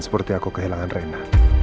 seperti aku kehilangan reyna